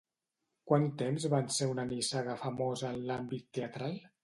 Quant temps van ser una nissaga famosa en l'àmbit teatral?